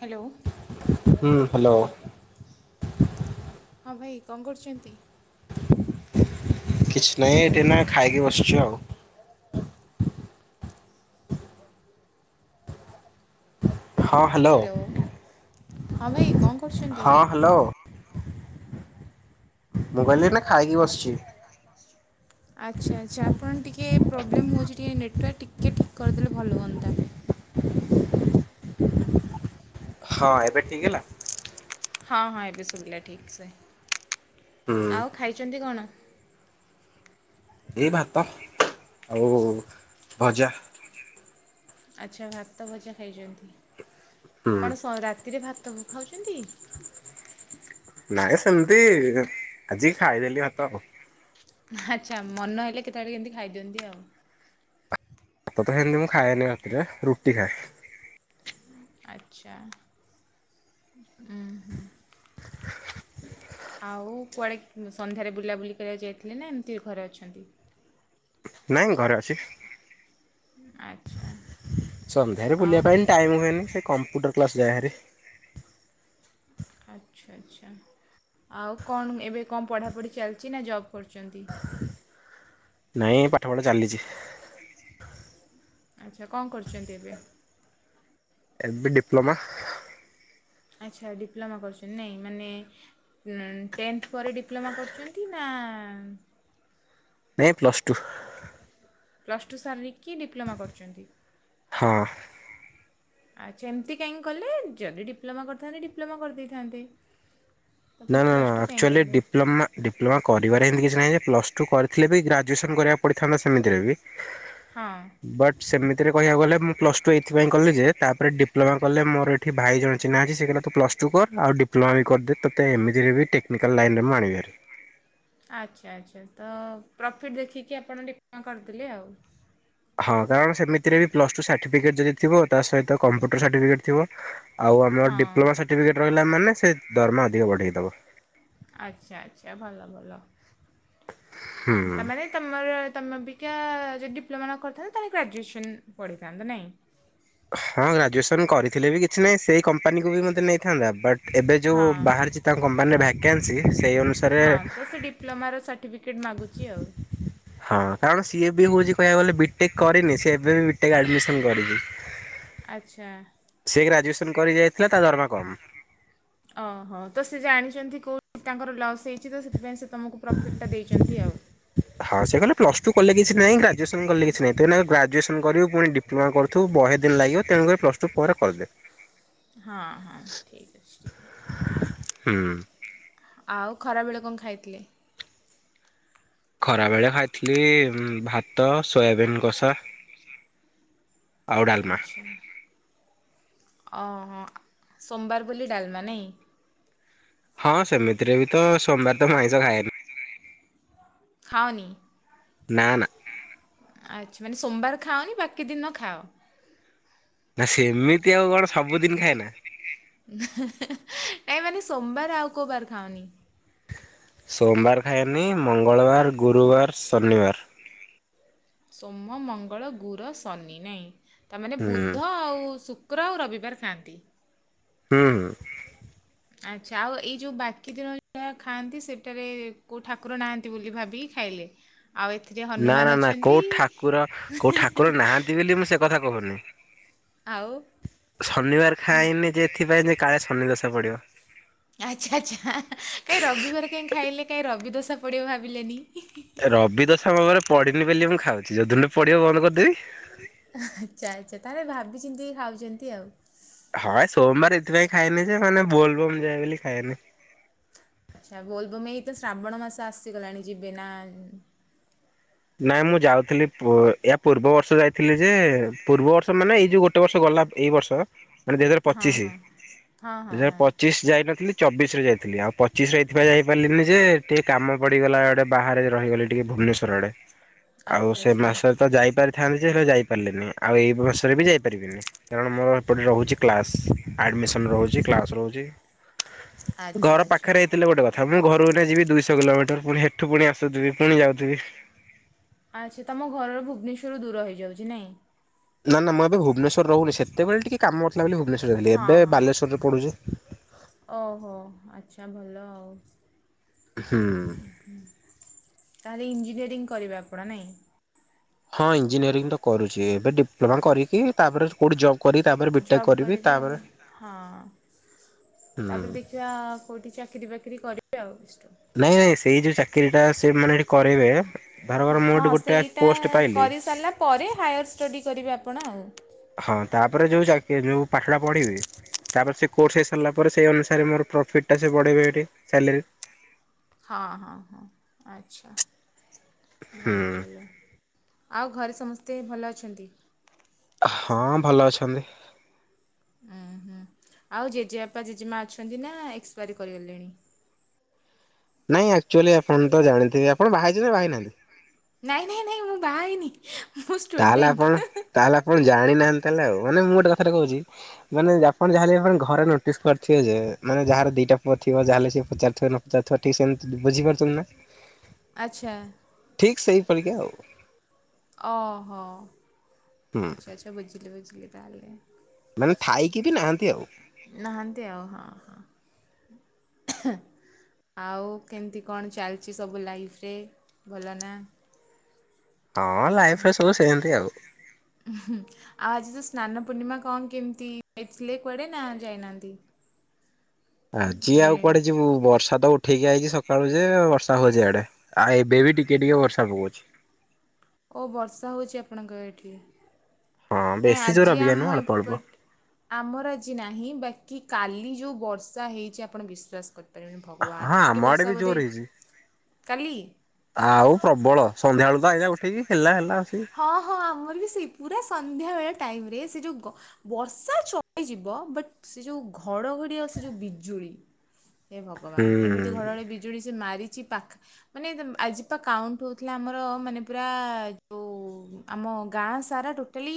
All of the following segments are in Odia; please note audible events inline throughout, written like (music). ହ୍ୟାଲୋ ହୁଁ ହ୍ୟାଲୋ ହଁ ଭାଇ କଣ କରୁଚନ୍ତି? କିଛି ନାହିଁ ଏଠି ଏଇନା ଖାଇକି ବସିଛି ଆଉ ହ୍ୟାଲୋ ହଁ ଭାଇ କଣ କରୁଚନ୍ତି? ହଁ ହ୍ୟାଲୋ। ମୁଁ କହିଲି ଏଇନା ଖାଇକି ବସିଚି। ଆଚ୍ଛା ଆଚ୍ଛା ଆପଣ ଟିକେ ପ୍ରୋବ୍ଲେମ୍ ହେଉଛି ଟିକେ ନେଟୱାର୍କ ଟିକେ ଠିକ୍ କରିଦେଲେ ଭଲ ହୁଅନ୍ତା। ହଁ ଏବେ ଠିକ୍ ହେଲା? ହଁ ହଁ ଏବେ ଶୁଭିଲା ଠିକ୍ ସେ, ହୁଁ ଆଉ ଖାଇଚନ୍ତି କଣ? ଏ ଭାତ ଆଉ ଭଜା। ଆଚ୍ଛା ଭାତ ଭଜା ଖାଇଚନ୍ତି ହୁଁ କଣ ରାତିରେ ଭାତ ଖାଉଚନ୍ତି? ନାଇଁ ସେମତି ଆଜି ଖାଇଦେଲି ଭାତ ଆଉ। ଆଚ୍ଛା ମନ ହେଲେ କେତେବେଳେ କେମିତି ଖାଇଦିଅନ୍ତି ଆଉ। ଭାତ ତ ସେମତି ମୁଁ ଖାଏନି ରାତିରେ ରୁଟି ଖାଏ। ଆଚ୍ଛା ଉ ହୁଁ ଆଉ କୁଆଡ଼େ ସନ୍ଧ୍ୟାରେ ବୁଲାବୁଲି କରିବାକୁ ଯାଇଥିଲେ ନା ଏମିତି ଘରେ ଅଛନ୍ତି। ନାଇଁ ଘରେ ଅଛି। ଆ ସନ୍ଧ୍ୟାରେ ବୁଲିବା ପାଇଁ ଟାଇମ ହୁଏନି ସେ କମ୍ପୁଟର କ୍ଲାସ୍ ଯାଏହେରି ଆଚ୍ଛା ଆଚ୍ଛା ଆଉ କଣ ଏବେ କଣ ପଢ଼ାପଢ଼ି ଚାଲିଚି ନା ଜବ୍ କରୁଚନ୍ତି? ନାଇଁ ପାଠପଢ଼ା ଚାଲିଚି। ଆଚ୍ଛା କଁ କରୁଚନ୍ତି ଏବେ? ଏବେ ଡିପ୍ଲୋମା। ଆଚ୍ଛା ଡିପ୍ଲୋମା କରୁଛନ୍ତି ନାଇଁ ମାନେ। ଟେନ୍ଥ ପରେ ଡିପ୍ଲୋମା କରୁଛନ୍ତି ନା। ନାଇଁ ପ୍ଲସ୍ ଟୁ। ପ୍ଲସ୍ ଟୁ ସାରିକି ଡିପ୍ଲୋମା କରୁଛନ୍ତି। ହଁ ଆଚ୍ଛା ଏମିତି କାହିଁକି କଲେ ଯଦି ଡିପ୍ଲୋମା କରିଥାନ୍ତେ ଡିପ୍ଲୋମା କରି ଦେଇଥାନ୍ତେ। ନା ନା ଆକ୍ଚୁଲି ଡିପ୍ଲୋମା। ଡିପ୍ଲୋମା କରିବାରେ ଏମିତି କିଛି ନାହିଁ ଯେ ପ୍ଲସ୍ ଟୁ କରିଥିଲେ ବି ଗ୍ରାଜୁଏସନ୍ କରିବାକୁ ପଡ଼ିଥାନ୍ତା ସେମିତିରେ ବି। ହଁ। ବଟ୍ ସେମିତିରେ କହିବାକୁ ଗଲେ ମୁଁ ପ୍ଲସ୍ ଟୁ ଏଇଥିପାଇଁ କଲି ଯେ ତାପରେ ଡିପ୍ଲୋମା କଲେ ମୋର ଏଠି ଭାଇ ଜଣ ଚିହ୍ନା ଅଛି ସେଟା ତ ପ୍ଲସ୍ ଟୁ କର ଆଉ ଡିପ୍ଲୋମା ବି କରିଦେ। ତୋତ ଏମତିରେ ବି ଟେକ୍ନିକାଲ ଲାଇନରେ ମୁ ଆଣିବିଭାରି। ଆଚ୍ଛା ଆଚ୍ଛା ତ ପ୍ରଫିଟ୍ ଦେଖିକି ଆପଣ ଟିକେ କଣ କରିଦେଲେ ଆଉ। ହଁ କାରଣ ସେମିତିରେ ବି ପ୍ଲସ ଟୁ ସାର୍ଟିଫିକେଟ ଯଦି ଥିବ ତା ସହିତ କମ୍ପୁଟର ସାର୍ଟିଫିକେଟ ଥିବ। ଆଉ ଆମର ହଁ ଡିପ୍ଲୋମା ସାର୍ଟିଫିକେଟ୍ ରହିଲା ମାନେ ସେ ଦରମା ଅଧିକ ବଢ଼େଇ ଦେବ। ଆଚ୍ଛା ଆଚ୍ଛା ଭଲ ଭଲ। ହୁଁ। ତାମାନେ ତମର ତୁମେ ଅବିକା ଯଦି ଡିପ୍ଲୋମା କରିଥାନ୍ତେ ତାହେଲେ ଗ୍ରାଜୁଏସନ୍ ପଢ଼ିଥାନ୍ତା ନାହିଁ। ହଁ ଗ୍ରାଜୁଏସନ୍ କରିଥିଲେ ବି କିଛି ନାହିଁ ସେଇ କମ୍ପାନୀକୁ ବି ମୋତେ ନେଇଥାନ୍ତା ବଟ୍ ଏବେ ଯେଉ ହଁ ବାହାରେ ତାଙ୍କ କମ୍ପାନୀରେ ଭ୍ୟାକେନ୍ସି ସେଇ ଅନୁସାରେ ହଁ ତ ସେ ଡିପ୍ଲୋମାର ସାର୍ଟିଫିକେଟ୍ ମାଗୁଛି ଆଉ। ହଁ କାରଣ ସିଏ ବି ହଉଛି କହିବାକୁ ଗଲେ ବିଟେକ୍ କରିନି ସ ଏବେ ବି ବିଟେ ଆଡମିସନ କରିଛି। ହ। ସେ ଗ୍ରାଜୁଏସନ କରିକି ଯାଇଥିଲା ତା ଦରମା କମ। ଓହୋ ତ ସେ ଜାଣିଛନ୍ତି କୋଉଠି ତାଙ୍କର ଲ ସେଇ। କିଚିତ ତ ସେଥିପାଇଁ ସେ ତୁମକୁ ପ୍ରଫିଟ୍ ଟା ଦେଇଛନ୍ତି ଆଉ। ହଁ ସେ କହେ ପ୍ଲସ୍ ଟୁ କଲେ କିଛି ନାହିଁ ଗ୍ରଜଏସନ କଲେ କିଛିହିଁ ଗ୍ରାଜୁଏସନ କରିବୁ ଫୁଣି ଡି ତମାଣା କରୁ ବହେ ଦିନ ଲାଗିବ ତେଣୁକରି ପ୍ଲସ୍ ଟୁ ପରେ କରିଦେ। (unintelligible) ହଁ ହଁ ଠିକ୍ ଅଛି ଠିକ୍ ଅଛି। ହୁଁ। ଆଉ ଖରାବେଳେ କଣ ଖାଇଥିଲେ? ଖରା ବେଳେ ଖାଇଥିଲି ଉଁ ଭାତ ସୋୟାବିନ୍ କଷା। ଆଉ ଡାଲମା। ଆଚ୍ଛା ଅ ହ ସୋମବାର ବୋଲି ଡାଲମା ନାଇଁ। ହଁ ସେମିତିରେ ବି ତ ସୋମବାର ତ ଆମିଷ ଖାଏନି। ଖାଅନି। ନାନା। ଆଚ୍ଛା ମାନେ ସୋମବାର ଖାଅନି ବାକି ଦିନ ଖାଅ। ନା ସେମିତି ଆଉ କଣ ସବୁଦିନ ଖାଏ ନା। ହୁଁ ହୁଁ ନାଇ ମାନେ ସୋମବାର ଆଉ କୋଉ ବାର ଖାଅନି? ସୋମବାର ଖାଏନି ମଙ୍ଗଳବାର ଗୁରୁବାର ଶନିବାର। ସୋମ ମଙ୍ଗଳ ଗୁରୁ ଶନି ନାହିଁ ତାମାନେ ହୁଁ ବୁଧ ହୁଁ ଆଉ ଶୁକ କ୍ର ଆଉ ରବିବାର ଖାଆନ୍ତି। ହୁଁ ହଁ। ଆଚ୍ଛା ଆଉ ଏଇ ଯେଉଁ ବାକି ଦିନ ଯ ଖାଆନ୍ତି ସେଇଠାରେ କେଉଁ ଠାକୁର ନାହାନ୍ତି ବୋଲି ଭାବି। ଖାଇଲେ। ଆଉ ଏଥିରେ ନା ନା ହନୁମାନ ନା କୋଉ ଅଛନ୍ତି ଠାକୁର କୋଉ ଠାକୁର ନାହାନ୍ତି ବୋଲି ମୁଁ ସେ କଥା କହୁନି। ଆଉ। ଶନିବାର ଖାଏନି ଯେ ଏଥିପାଇଁ ଯେ କାଳେ ଶନିଦଶା ପଡିବ। ଆଚ୍ଛା ଆଚ୍ଛା କାହିଁ ରବିବାର କାହିଁ ଖାଇଲେ କାହିଁ ରବି ଦସା ପଡ଼ିବ ଭାବିଲୋନି। ରବିଦଶା ମୋ ଉପରେ ପଡିନି ବୋଲି ମୁଁ ଖାଉଛି ଯଦିିନ ପଡିବ ବନ୍ଦ କରିଦେବି। ଆଚ୍ଛା ଆଚ୍ଛା ତାହେଲେ ଭାବିଚିନ୍ତି ଖାଉଛନ୍ତି ଆଉ। ହଁ ସୋମବାର ଏଥିପାଇଁ ଖାଇନି ଯେ ମାନେ ବୋଲବମ ଯାଏ ବୋଲି ଖାଏନି। ଆଚ୍ଛା ବୋଲବମ ଏଇ ତ ଶ୍ରାବଣ ମାସ ଆସିଗଲାଣି ଯିବେ ନା ନାଇଁ ମୁଁ ଯାଉଥିଲି ପୁ ଏହା ପୂର୍ବ ବର୍ଷ ଯାଇଥି ଥିଲେ ଯେ, ପୂର୍ବ ବର୍ଷ ମାନେ ଏଇ ଯୋଉ ଗୋଟେ ବର୍ଷ ଗଲା ଏଇ ବର୍ଷ ମାନେ ଦୁଇ ହଜାର ହଁ ପଚିଶି, ହଁ ହଁ ଦୁଇ ହଁ ହଜାର ହଁ ପଚିଶ ଯାଇନଥିଲି ଚବିଶରେ ଯାଇଥିଲି, ଆଉ ପଚିଶରେ ଏଇଥି ପାଇଁ ଯାଇପାରିଲିନି ଯେ ଟିକେ କାମ ପଡିଗଲା ଗୋଟେ ବାହାରେ ରହିଗଲି। ଟିକେ ଭୁବନେଶ୍ଵର ଆଡେ, ଆଉ ସେ ଆଚ୍ଛା ଆଚ୍ଛା ମାସରେ ତ ଯାଇପାରି ଥାନ୍ତି ଯେ ହେଲେ ଯାଇପାରିଲେନି, ଆଉ ଏଇ ବର୍ଷରେ ବି ଯାଇପାରିବିନି କାରଣ ମୋର ଏପଟେ ରହୁଛି କ୍ଲାସ୍। ଆଡମିସନ ରହୁଚି, କ୍ଲାସ ରହୁଚି ଘର ଆଚ୍ଛା ପାଖରେ ଆଚ୍ଛା ହେଇଥିଲେ ଗୋଟେ କ ଥା ମୁଁ ଘରୁ ଏଇନା ଯିବି ଦୁଇଶହ କିଲୋମିଟର ପୁଣି ସେଠୁ ପୁଣି ଆସୁଥିବି ପୁଣି ଯାଉଥିବି। ଆଚ୍ଛା ତୁମ ଘରର ଭୁବନେଶ୍ୱରରୁ ଦୂର ହେଇଯାଉଛି ନାଇଁ। ନା ନା ମୁଁ ଏବେ ଭୁବନେଶ୍ୱରରେ ରହୁନି ସେତେବେଳେ ଟିକେ କାମ ଥିଲା ବୋଲି ଭୁବନେଶ୍ୱରରେ ଥିଲି ହଁ ଏବେ ହଁ ବାଲେଶ୍ଵରେ ପଢୁଚି। ଓହୋ ଆଚ୍ଛା ଭଲ ଆଉ। ହୁଁ। ତାହେଲେ ଇଞ୍ଜିନିୟରିଂ କରିବେ ଆପଣ ନାଇଁ? ହଁ ଇଞ୍ଜିନିୟରିଂ ତ କରୁଛି, ଏବେ ଡିପ୍ଲୋମା କରିକି ତାପରେ କୋଉଠି ଜବ୍ କରିକି ତାପରେ ବିଟେକ୍ ଜବ କରିବି କରିବେ ଆଉ, ତାପରେ ହଁ ହୁଁ ତାପରେ ଦେ କିିବା କୋଉଠି ଚାକିରି ବାକିରି କରିବେ ଆଉ ବିଷ୍ଟୁଁ। ନାଇଁ ନାଇଁ ସେଇ ଯୋଉ ଚାକିରି ଟା ସେ ମାନେ ଏଠି କରେଇବେ ଧରକର ମୁଁ ହଁ ଏଠି ଗୋଟେ ସେଇଟା ପୋଷ୍ଟ ପାଇଲି କରିସାରିଲା ପରେ ହାୟର୍ ଷ୍ଟଡ଼ି କରିବେ ଆପଣ ଆଉ। ହଁ ତାପରେ ଯୋଉ ଚାକରି ଯୋଉ ପାଠଟା ପଢିବି। ତାପରେ ସେ କୋର୍ସ ହେଇସାରିଲା ପରେ ସେଇ ଅନୁସାରେ ମୋର ପ୍ରଫିଟ୍ ଟା ସେ ବଢ଼େଇବେ ଏଇଠି ସାଲେରି। ହଁ-ହଁ-ହଁ ଆଚ୍ଛା ହୁଁ। ଭଲ ଭଲ। ଆଉ ଘରେ ସମସ୍ତେ ଭଲ ଅଛନ୍ତି? ହଁ ଭଲ ଅଛନ୍ତି। ଉଁ ହୁଁ ଆଉ ଜେଜେବାପା ଜେଜେମା ଅଛନ୍ତି ନା ଏକ୍ସପାରୀ କରିଗଲେଣି? ନାଇଁ ଆକ୍ଚୁଆଲି ଆପଣ ତ ଜାଣିଥିବେ ଆପଣ ବାହା ହେଇଛନ୍ତି ନା ବାହା ହେଇନାହାନ୍ତି? ନାଇଁ ନାଇଁ ନାଇଁ ମୁଁ ବାହା ହେଇନି। ମୁଁ ତାହେଲେ ଷ୍ଟୁଡେଣ୍ଟ ଆପଣ ତାହେଲେ ଆପଣ ଜାଣିନାହାନ୍ତି ତାହେଲେ ଆଉ ମାନେ ମୁଁ ଗୋଟେ କଥାଟେ କହୁଚି ମାନେ ଆପଣ ଯାହାଲେ ଆ ଘରେ ନୋଟିସ୍ କରିଥିବେ ଯେ, ମାନେ ଯାହାର ଦିଟା ପୁଅ ଥିବ ଯାହାଲେ ସିଏ ପଚାରୁଥିବ ନ ପଚାରୁଥିବ ସେମିତି ବଝିପାରୁଛନ୍ତି ନା। (unintelligible) ଆଚ୍ଛା ଠିକ୍ ସେଇପରିକା ଆଉ ଓହୋ। ହୁଁ ଆଚ୍ଛା ଆଚ୍ଛା ବୁଝିଲି ବୁଝିଲି ତାହେଲେ। ମାନେ ଥାଇକି ବି ନାହାନ୍ତି ଆଉ। ନାହାନ୍ତି ଆଉ ହଁ ହଁ। ଆଉ କେମିତି କଣ ଚାଲିଛି ସବୁ ଲାଇଫରେ ଭଲ ନା? ହଁ ଲାଇଫରେ ସବୁ ସେମତି ଆଉ। ହୁଁ ଆଉ ଆଜି ତ ସ୍ନାନ ପୂର୍ଣ୍ଣିମା କଣ କେମିତି ଯାଇଥିଲେ କୁଆଡେ ନା ଯାଇନାହାନ୍ତି? (inaudible) କିଏ ମାନେ ଆଉ କୁଆଡେ ଯିବୁ ବର୍ଷା ତ ଉଠେଇକି ଆଇଛି ସ କାଳୁ ଯେ ବର୍ଷା ହଉଛି ଇଆଡ଼େ ଆଉ ଏବେ ବି ଟିକେ ଟିକେ ବର୍ଷା ପକଉଛି। ଓ ବର୍ଷା ହଉଚି ଆପଣଙ୍କ ଏଠି। ହଁ ନାଇଁ ବେଶୀ ଜୋର ଆଜି ଅବିକା ନୁହଁ ଆମ ଅଳ୍ପ ଅଳ୍ପ ହଁ ଏପଟ ଆମର ଆଜି ନାହିଁ ବାକି କାଲି ଯୋଉ ବର୍ଷା ହେଇଚି ଆପଣ ବିଶ୍ୱାସ କର ପାରିବେନି ଆମ ଭଗବାନ ଆଡେ ବି ବର୍ଷା ଜୋର ବୋଧେ ହେଇଛି। କାଲି। ଆଉ ପ୍ରବଳ ସନ୍ଧ୍ୟାବେଳୁ ତ ଏଇନା ଉଠେଇକି ହେଲା ହେଲା ଆସିକି ହଁ ହଁ ଆମର ବି ସେଇ ପୁରା ସନ୍ଧ୍ୟାବେଳ ଟାଇମରେ ସେ ଯୋଉ ଗ ବର୍ଷା ଚପିଯିବ। ବଟ ସେ ଯୋଉ ଘଡଘଡି ଆଉ ସେ ଯୋଉ ବିଜୁଳି ହେ ଭଗବାନ ଏମିତି ହୁଁ। ଘଡ଼ଗଡି ବି ଜୁଳି ସେ ମାରିଚି ପାଖ ମାନେ ଆଜି ପା କାଉଣ୍ଟ ହଉଥିଲା ଆମର ମାନେ ପୁରା ଉ ଆମ ଗାଁ ସାରା ଟୋଟାଲି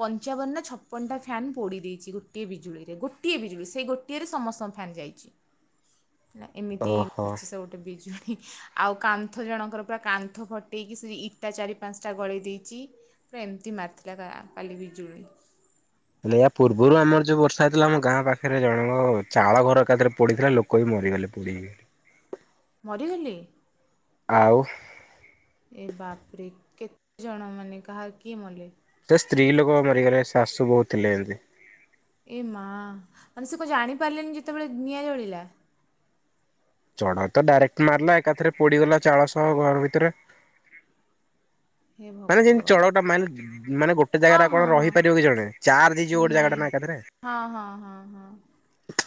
ପଞ୍ଚାବନ ନା ଛପନ ଟା ଫ୍ୟାନ ପୋଡି ଦେଇଛି, ଗୋଟିଏ ବିଜୁଳିରେ ଗୋଟିଏ ବିଜୁଳି ସେ ଗୋ ଟିଏରେ ସମସ୍ତଙ୍କ ଫ୍ୟାନ ଯାଇଚି, ହେଲା ଏମିତି ଓହୋ ମାରଚି ସେ ଗୋଟେ ବିଜୁଳି। ଆଉ କାନ୍ଥ ଜଣଙ୍କର ପୁରା କାନ୍ଥ ଫଟେଇକି ସେଇ ଇଟା ଚାରି ପାଞ୍ଚଟା ଗଳେଇ ଦେଇଚି, ପୁରା ଏମତି ମାରିଥିଲା କା କାଲି ବିଜୁଳି। ହେଲେ ୟା ପୂର୍ବରୁ ଆମର ଯୋଉ ବର୍ଷା ହେଇଥିଲା ଆମ ଗାଁ ପାଖରେ ଜଣଙ୍କ ଚାଳ ଘର ଏକାଥରେ ପୋଡ଼ିଥିଲା, ଲୋକ ବି ମରିଗଲେ ପୋଡ଼ି ହେଇକି। ମରିଗଲେ? ଆଉ। ଏ ବାପରେ। କେତେ ଜଣ ମାନେ କାହାର କିଏ ମଲେ? ସେ ସ୍ତ୍ରୀ ଲୋକ ବା ମରିଗଲେ, ଶାଶୂ ବୋହୂ ଥିଲେ ଏମତି। ଏ ମା, ମାନେ ସେ କଣ ଜାଣିପାରିଲେନି ଯେତେବେଳେ ନିଆଁ ଜଳିଲା? ଚଡ଼କ ତ ଡାଇରେକ୍ଟ ମାରିଲା ଏକାଥରେ ପୋଡିଗଲା ଚାଳ ସହ ଘର ଭିତରେ। ହେ ମାନେ ଯେମିତି ଚଡକଟା ଭଗବାନ ମାଇଲା ମାନେ ଗୋଟେ ହଁ ଜାଗାରେ ଆଉ ହଁ କଣ ହଁ ରହିପାରିବ କି ଜଣେ, ଚାର୍ଜ ହେଇଯିବ ଗୋଟେ ଜାଗାଟା ନା ଏକାଥରେ। ହଁ-ହଁ-ହଁ-ହଁ।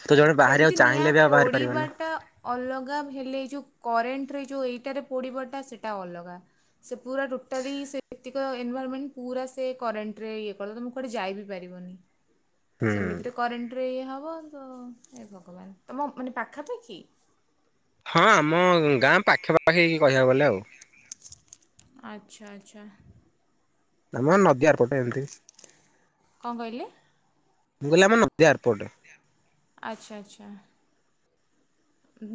ତ ଜଣେ ବାହାରିବାକୁ ସେମତି ନିଆଁ ଚାହିଁଲେ ବି ଆଉ ବାହାରି ପାରିବନି ହୁଁ। ପୋଡିବାଟା ଅଲଗା ହେଲେ, ଏ ଯୋଉ କରେଣ୍ଟରେ ଯୋଉ ଏଇଟାରେ ପୋଡ଼ିବଟା ସେଇଟା ଅଲଗା। ସେ ପୁରା ଟୋଟାଲି ସେ ଏତିକ ଏନଭାଲମେଣ୍ଟ ପୁରା ସେ କରେଣ୍ଟରେ ଇଏ କରିଦବ, ତମେ କୁଆଡେ ଯାଇ ବି ପାରିବନି। ସେମିତିରେ କରେଣ୍ଟରେ ଇଏ ହବ, ତ ଏ ଭଗବାନ, ତମ ମାନେ ପାଖାପାଖି? ହଁ ଆମ ଗାଁ ପାଖାପାଖି ହେଇକି କହିଆକୁ ଗଲେ ଆଉ। ଆଚ୍ଛା ଆଚ୍ଛା। ଆମ ନଦୀ ଆର କଣ କହିଲେ? ମୁଁ କହିଲି ଆମ ନଦୀ ଆର ପଟେ। ଆଚ୍ଛା ଆଚ୍ଛା।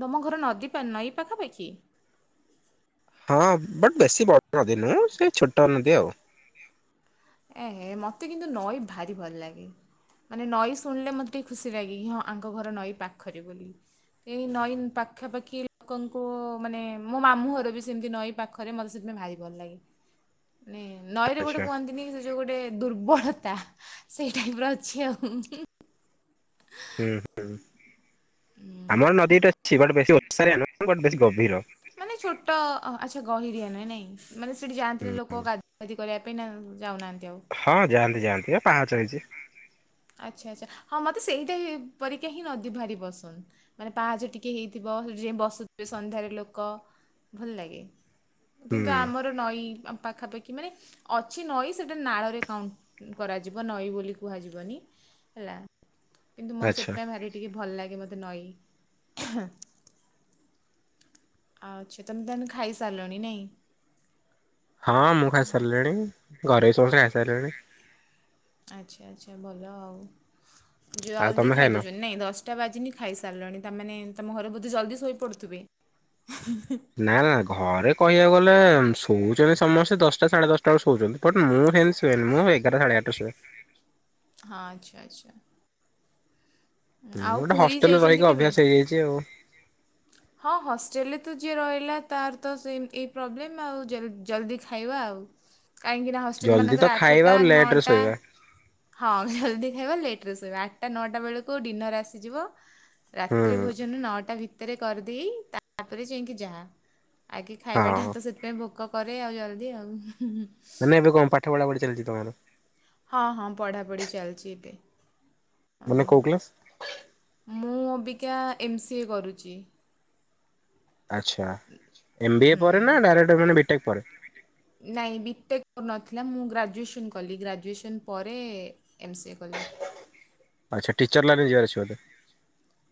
ତମ ଘର ନଦୀ, ପା ନଈ ପାଖାପାଖି? ହଁ ବଟ୍ ବେଶୀ ବଡ଼ ନଦୀ ନୁହଁ, ସେଇ ଛୋଟ ନଦୀ ଆଉ। ଏହେ ମତେ କିନ୍ତୁ ନଈ ଭାରି ଭଲ ଲାଗେଇ। ମାନେ ନଈ ଶୁଣିଲେ ମତେ ଟିକେ ଖୁସି ଲାଗେଇ, କି ହଁ ଆଙ୍କ ଘର ନଈ ପାଖରେ ବୋଲି। କେହି ନଈ ପାଖାପାଖି ଲୋକଙ୍କୁ ମାନେ, ମୋ ମାମୁଁ ଘର ବି ସେମିତି ନଈ ପାଖ ଖରେ, ମୋତେ ସେଥିପାଇଁ ଭାରି ଭଲ ଲାଗେ। ମାନେ ନଈରେ ଗୋଟେ ଆଚ୍ଛା କୁହନ୍ତିନି ସେ ଯୋଉ ଗୋଟେ ଦୁର୍ବଳତା, ସେଇ ଟାଇପର ଅଛି ଆଉ। ହୁଁ ହୁଁ। ଆମର ନଦୀଟା ଅଛି ବଟ ବେଶୀ ଓସାରିଆ ନୁହଁ, ବଟ ବେଶୀ ଗଭୀର। ମାନେ ଛୋଟ, ଅ ଆଚ୍ଛା ଗହୀରିଆ ନାଇ ନାଇଁ। ମାନେ ସେଠି ଯାଆନ୍ତି ନା ଲୋକ ଗାଧା ଗାଧି କରିବା ପାଇଁ ପାଇଁ ନା ଯାଉନାହାଁନ୍ତି ଆଉ? ହଁ ଯାଆନ୍ତି ଯାଆନ୍ତି ବା, ପାହାଚ ହେଇଚି। ଆଚ୍ଛା ଆଚ୍ଛା। ହଁ ମତେ ସେଇଟା ହି ପରିକା ହିଁ ନଦୀ ଭାରି ପସନ୍ଦ। ମାନେ ପାହାଚ ଟିକେ ହେଇଥିବ, ସେ ଯାଇ ବସୁଥିବେ ସନ୍ଧ୍ୟାରେ ଲୋକ, ଭଲ ଲାଗେ। ହୁଁ କିନ୍ତୁ ଆମର ନଈ ପାଖାପାଖି ମାନେ ଅଛି ନଈ ସେଟା ନାଳରେ କାଉଣ୍ଟ କରାଯିବ ନଈ ବୋଲି କୁହାଯିବନି ହେଲା, କିନ୍ତୁ ମୁଁ ଆଚ୍ଛା ସେଥିପାଇଁ ଭାରି ଟିକେ ଭଲ ଲାଗେ ମତେ ନଈ। ଆଚ୍ଛା, ତମେ ତାହେନେ ଖାଇସାରିଲଣି ନାଇଁ? ହଁ ମୁଁ ଖାଇ ସାରିଲିଣି, ଘରେ ସମସ୍ତେ ଖାଇସାରିଲେଣି। ଆଚ୍ଛା ଆଚ୍ଛା ଭଲ ଆଉ। ଆଉ ଜଲଦି ତମେ ଖାଇନ? ଖାଇଦଉଛନ୍ତି ନାଇଁ ଦଶଟା ଶଟା ବାଜିନି ଖାଇସାରିଲଣି। ତାମାନେ ତମ ଘରେ ବୋଧେ ଜଲଦି ଶୋଇ ପଡୁଥିବେ? ନାଁ ନାଁ, ଘରେ କହିଆକୁ ଗଲେ, ଶୋଉଛନ୍ତି ସମସ୍ତେ ଦଶଟା ସାଢେ ଦଶଟା ବେଳକୁ ଶୋଉଚନ୍ତି। ବଟ ମୁଁ ହେନ୍ ଶୁଏନି, ମୁଁ ଏଗାରଟା ସାଢେ ଏଗାରଟାରେ ଶୁଏ। ହଁ ଆଚ୍ଛା ଆଚ୍ଛା। ହୁଁ ଆଉ ଗୋଟେ ପୁରୀ ହଷ୍ଟେଲରେ ଯାଇଚନ୍ତି ରହିକି କେବେ? ଅଭ୍ୟାସ ହେଇଯାଇଛି ଆଉ ହଁ ହଷ୍ଟେଲରେ ତ ଯିଏ ରହିଲା ତାର ତ ସେମ୍ ଏଇ ପ୍ରୋବ୍ଲେମ୍ ଆଉ। ଜେମ୍ ଜଲ୍ଦି ଖାଇବା ଆଉ। କାହିଁକିନା ହଷ୍ଟେଲ ଜଲ୍ଦି ତ ମାନଙ୍କରେ ଖାଇବା ଆଠଟା ଆଉ ଲେଟରେ ନଅଟା ଶୋଇବା। ହଁ ଜଲ୍ଦି ଖାଇବା, ଲେଟରେ ଶୋଇବା। ଆଠଟା ନଅଟା ବେଳକୁ ଡିନର ଆସିଯିବ ହୁଁ ରାତ୍ରି ଭୋଜନ ନଅଟା ଭିତରେ କରିଦେଇ, ତାପରେ ଯାଇଁକି ଯାହା। ଆଗେ ହଁ ଖାଇବାଟା ତ ସେଥିପାଇଁ ଭୋକ କରେ ଆଉ ଜଲଦି ଆଉ ହୁଁ। ମାନେ ନାଇଁ ଏବେ କଣ ପାଠ ପଢାପଢି ଚାଲିଛି ତମର? ହଁ ହଁ ପଢ଼ାପଢି ଚାଲିଛି ଏବେ। ମାନେ ଅଁ, କଉ କ୍ଲାସ୍? ମୁଁ ଅବିକା ଏମ ସି ଏ କରୁଚି। ଆଚ୍ଛା ଏମ ବି ଏ ପରେ ନା ଡାଇରେକ୍ଟ ମାନେ ବିଟେକ୍ ପରେ? ନାଇ ବି ଟେକ୍ ନଥିଲା ମୁଁ ଗ୍ରାଯୁଏସନ କଲି ଗ୍ରାଯୁଏସନ ପରେ। ଏମ୍ ସି ଏ କଲି। ଆଚ୍ଛା ଟିଚର୍ ଲାଇନରେ ଯିବାର ଅଛି ବୋଧେ?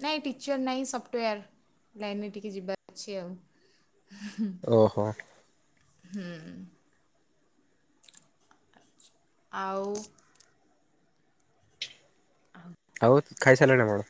ନାଇଁ ଟିଚର ନାଇଁ ସଫ୍ଟୱାର ଲାଇନରେ ଟିକେ ଯିବାର ଅଛି ଆଉ। ଓହୋ। ହୁଁ। ଆଉ। ଆଉ ଖାଇ ସାରିଲଣି ନା କଣ?